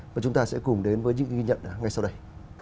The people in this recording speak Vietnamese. và chúng ta sẽ cùng đến với những ghi nhận ngay sau đây